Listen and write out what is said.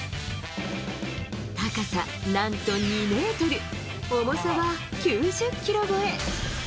高さなんと２メートル、重さは９０キロ超え。